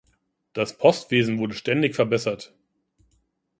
Das Postwesen wurde ständig verbessert.